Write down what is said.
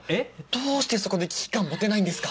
どうしてそこで危機感持てないんですか？